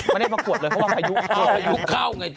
ไม่ได้ประกวดเลยเพราะว่าพายุเข้า